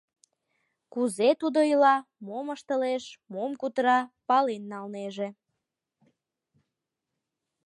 Кузе тудо ила, мом ыштылеш, мом кутыра — пален налнеже.